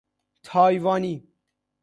تایوانی